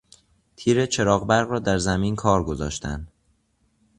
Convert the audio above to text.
تیر چراغ برق را در زمین کار گذاشتن